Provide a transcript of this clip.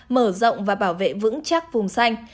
mở rộng và bảo vệ vững chắc vùng xanh